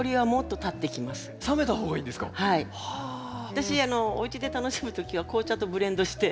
私おうちで楽しむ時は紅茶とブレンドして。